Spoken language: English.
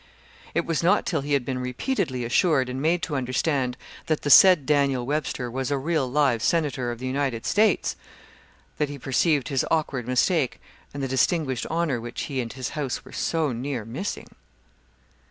It was not till he had been repeatedly assured and made to understand that the said Daniel Webster was a real live senator of the United States, that he perceived his awkward mistake and the distinguished honour which he and his house were so near missing.